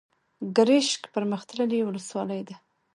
ګرشک پرمختللې ولسوالۍ ده.